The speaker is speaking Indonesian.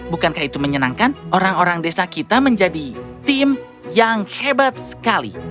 bukankah itu menyenangkan orang orang desa kita menjadi tim yang hebat sekali